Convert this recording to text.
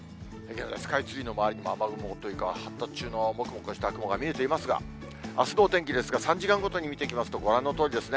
現在、スカイツリーの周りにも、雨雲というか、発達中のもくもくした雲が見えていますが、あすのお天気ですが、３時間ごとに見ていきますと、ご覧のとおりですね。